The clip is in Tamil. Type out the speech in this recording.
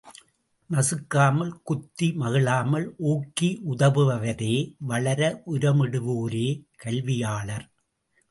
நசுக்காமல், குத்தி மகிழாமல், ஊக்கி உதவுபவரே, வளர உரமிடுவோரே, கல்வியாளர்.